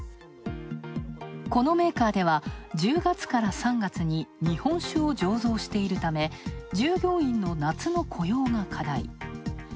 このメーカーでは１０月から３月に日本酒を醸造しているため従業員の夏の雇用が課題。